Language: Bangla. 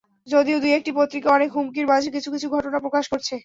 যদিও দু-একটি পত্রিকা অনেক হুমকির মাঝেও কিছু কিছু ঘটনা প্রকাশ করছে।